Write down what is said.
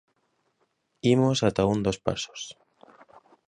Imos ata un dos pasos.